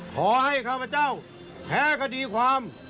ขอให้ข้าพเจ้าแท้คดีความ